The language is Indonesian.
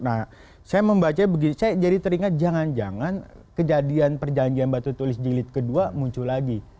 nah saya membaca begini saya jadi teringat jangan jangan kejadian perjanjian batu tulis jilid kedua muncul lagi